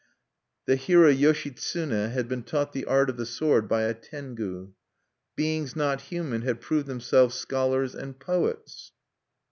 The hero Yoshitsune had been taught the art of the sword by a Tengu. Beings not human had proved themselves scholars and poets(3).